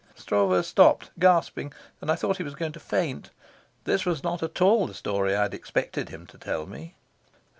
Stroeve stopped, gasping, and I thought he was going to faint. This was not at all the story I had expected him to tell me.